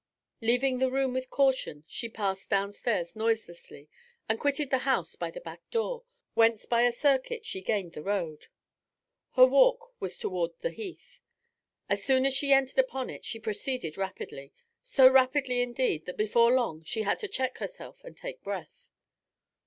Leaving the room with caution, she passed downstairs noiselessly and quitted the house by the back door, whence by a circuit she gained the road. Her walk was towards the Heath. As soon as she entered upon it, she proceeded rapidly so rapidly, indeed, that before long she had to check herself and take breath.